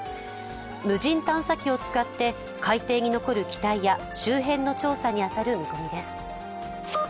無人探査機を使って海底に残る機体や周辺の調査に当たる見込みです。